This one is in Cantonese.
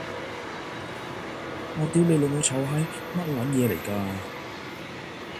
我屌你老母臭閪，咩撚嘢嚟㗎？